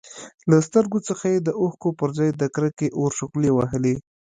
له سترګو څخه يې د اوښکو پرځای د کرکې اور شغلې وهلې.